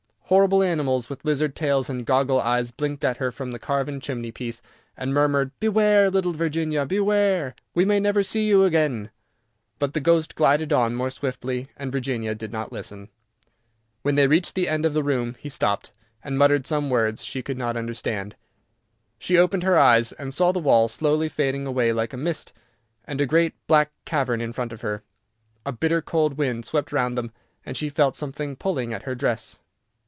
Horrible animals with lizard tails and goggle eyes blinked at her from the carven chimneypiece, and murmured, "Beware! little Virginia, beware! we may never see you again," but the Ghost glided on more swiftly, and Virginia did not listen. When they reached the end of the room he stopped, and muttered some words she could not understand. She opened her eyes, and saw the wall slowly fading away like a mist, and a great black cavern in front of her. A bitter cold wind swept round them, and she felt something pulling at her dress.